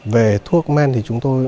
về thuốc men thì chúng tôi